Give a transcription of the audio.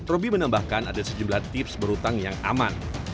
roby menambahkan ada sejumlah tips berhutang yang aman